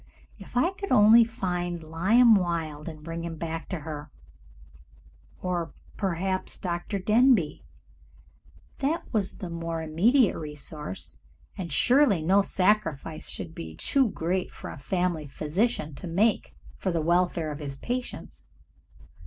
If I could only find Lyman Wilde and bring him back to her, or, perhaps, Dr. Denbigh that was the more immediate resource, and surely no sacrifice should be too great for a family physician to make for the welfare of his patients.